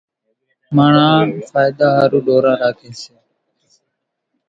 ماڻۿان ڦائۮا ۿارُو ڍوران راکيَ سي۔